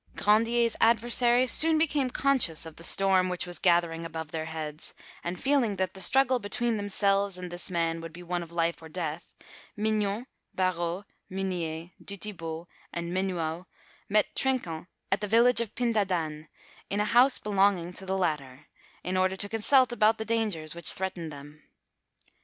Grandier's adversaries soon became conscious of the storm which was gathering above their heads, and feeling that the struggle between themselves and this man would be one of life or death, Mignon, Barot, Meunier, Duthibaut, and Menuau met Trinquant at the village of Pindadane, in a house belonging to the latter, in order to consult about the dangers which threatened them.